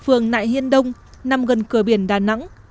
phường nại hiên đông nằm gần cửa biển đà nẵng